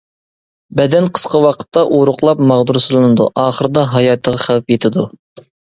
بەدەن قىسقا ۋاقىتتا ئورۇقلاپ ماغدۇرسىزلىنىدۇ، ئاخىرىدا ھاياتىغا خەۋپ يېتىدۇ.